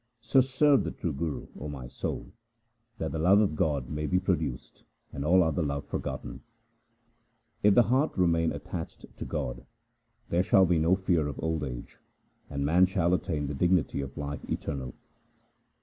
2 So serve the true Guru, O my soul, that the love of God may be produced and all other love forgotten. If the heart remain attached to God, there shall be no fear of old age, and man shall attain the dignity of life eternal.